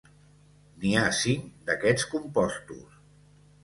N'hi ha cinc d'aquests compostos.